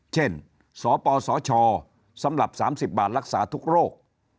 เช่นสปสชสำหรับ๓๐บาทรักษาทุกโรค